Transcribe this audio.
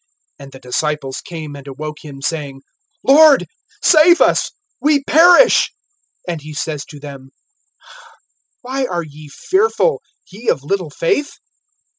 (25)And the disciples came and awoke him, saying: Lord, save us; we perish. (26)And he says to them: Why are ye fearful, ye of little faith?